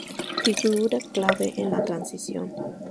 Figura clave en la Transición.